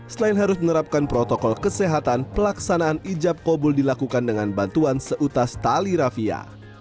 selain harus menerapkan protokol kesehatan pelaksanaan ijab kobul dilakukan dengan bantuan seutas tali rafia